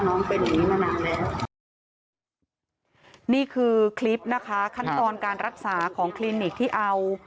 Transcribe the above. นี่คือคลิปนะคะขั้นตอนการรักษาของคลินิกที่เอา